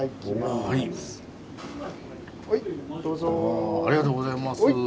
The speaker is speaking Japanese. ありがとうございます。